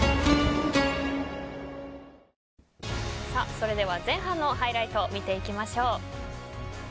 それでは前半のハイライトを見ていきましょう。